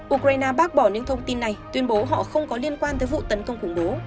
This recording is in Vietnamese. ukraine bác bỏ những thông tin này tuyên bố họ không có liên quan tới vụ tấn công khủng bố